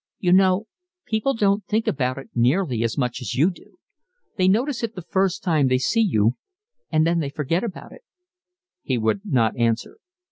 "You know, people don't think about it nearly as much as you do. They notice it the first time they see you, and then they forget about it." He would not answer.